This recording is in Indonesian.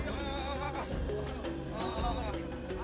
bisa berpengalaman ribuan